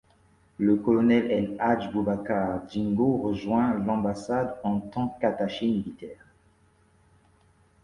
Le Colonel El Hadj Boubacar Djigo rejoint l'ambassade en tant qu'attaché militaire.